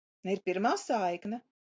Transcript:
Ir pirmā saikne.